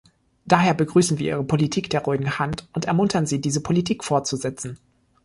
Daher begrüßen wir ihre Politik der ruhigen Hand und ermuntern sie, diese Politik fortzusetzen.